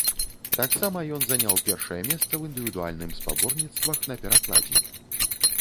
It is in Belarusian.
Таксама, ён заняў першае месца ў індывідуальным спаборніцтвах на перакладзіне.